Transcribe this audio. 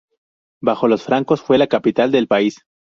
Bajo los francos, fue la capital del país.